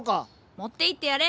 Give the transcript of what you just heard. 持っていってやれ。